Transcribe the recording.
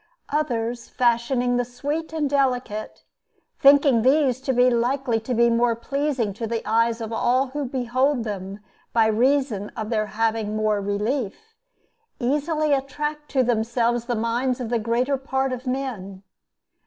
Others, fashioning the sweet and delicate, thinking these to be likely to be more pleasing to the eyes of all who behold them by reason of their having more relief, easily attract to themselves the minds of the greater part of men.